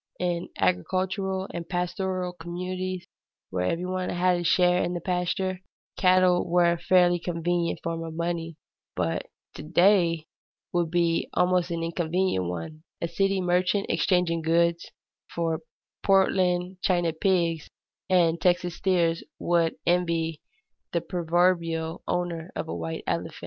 In agricultural and pastoral communities where every one had a share in the pasture, cattle were a fairly convenient form of money, but to day would be a most inconvenient one; a city merchant exchanging goods for Poland China pigs and Texas steers would envy the proverbial owner of a white elephant.